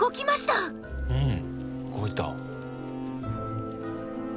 うん動いた。